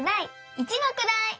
「一のくらい」。